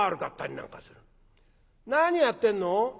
「何やってんの？」。